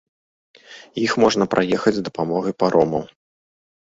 Іх можна праехаць з дапамогай паромаў.